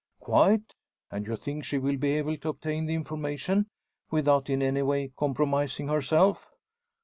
"Quite. And you think she will be able to obtain the information, without in any way compromising herself?"